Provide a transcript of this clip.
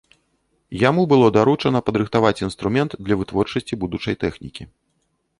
Яму было даручана падрыхтаваць інструмент для вытворчасці будучай тэхнікі.